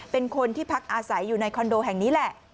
เป็นคนที่พักอาศัยอยู่ในคอนโดแห่งนี้แหละ